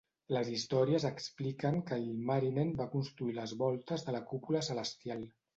Les històries expliquen que Ilmarinen va construir les voltes de la cúpula celestial.